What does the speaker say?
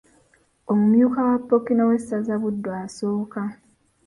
Omumyuka wa Ppookino w’essaza Buddu asooka.